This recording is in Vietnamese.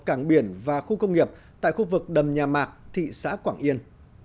cảng biển và khu công nghiệp tại khu vực đầm nhà mạc thị xã quảng yên